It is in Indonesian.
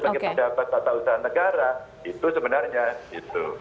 sebagai pendapat tata usaha negara itu sebenarnya gitu